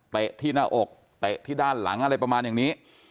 ที่หน้าอกเตะที่ด้านหลังอะไรประมาณอย่างนี้